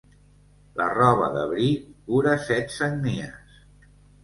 La roba de bri cura set sagnies.